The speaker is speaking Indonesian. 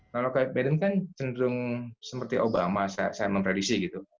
kalau biden kan cenderung seperti obama saya mempredisi gitu